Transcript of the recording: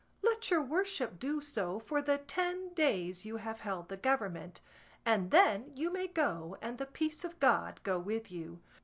Let your worship do so for the ten days you have held the government, and then you may go and the peace of God go with you."